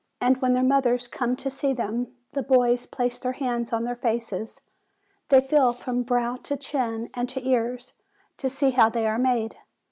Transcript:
And when their mothers come to see them, the boys place their hands on their faces; they feel from brow to chin, and to ears, to see how they are made.